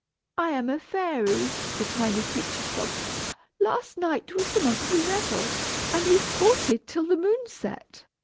"I am a fairy," the tiny creature sobbed. "Last night was the monthly revel, and we sported till the moon set.